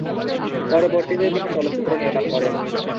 পরবর্তীতে তিনি চলচ্চিত্র নির্মাণ করেন।